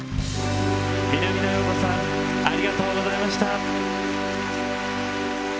南野陽子さんありがとうございました。